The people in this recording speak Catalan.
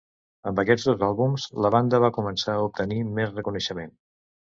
Amb aquests dos àlbums, la banda va començar a obtenir més reconeixement.